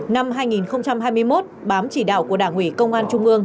năm hai nghìn hai mươi một bám chỉ đạo của đảng ủy công an trung ương